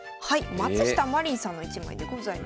松下舞琳さんの一枚でございます。